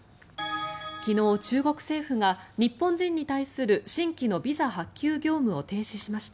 昨日、中国政府が日本人に対する新規のビザ発給業務を停止しました。